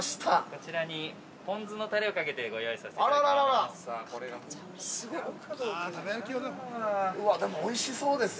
◆こちらにポン酢のたれをかけてご用意させていただきます。